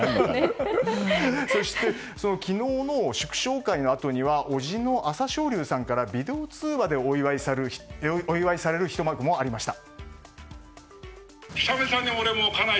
そして、昨日の祝勝会のあとには叔父の朝青龍さんからビデオ通話でお祝いされるひと幕もありました。